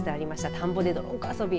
田んぼでの泥遊び。